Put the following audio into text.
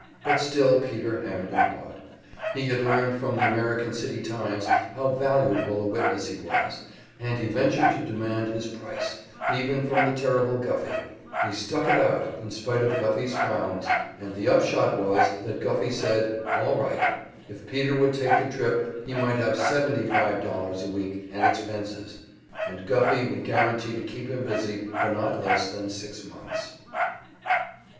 But still Peter hemmed and hawed. He had learned from the American City "Times" how valuable a witness he was, and he ventured to demand his price, even from the terrible Guffey; he stuck it out, in spite of Guffey's frowns, and the upshot was that Guffey said, All right, if Peter would take the trip he might have seventy five dollars a week and expenses, and Guffey would guarantee to keep him busy for not less than six months.